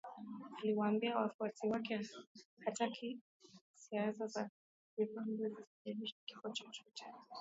Aliwaambia wafuasi wake hataki siaza za Zimbabwe zisababishe kifo chochote